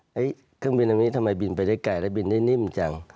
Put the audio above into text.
เครื่องบินตรงนี้ทำไมบินไปได้ไกลแล้วบินได้นิ่มจัง